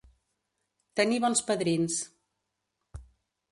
Tenir bons padrins.